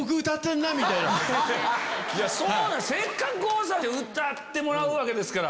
せっかく郷さんに歌ってもらうわけですから。